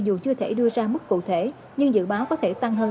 dù chưa thể đưa ra mức cụ thể nhưng dự báo có thể tăng hơn